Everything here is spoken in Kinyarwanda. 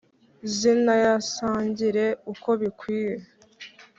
Zinayasangire uko bikwiye